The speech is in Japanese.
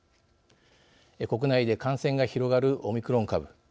国内で感染が広がるオミクロン株。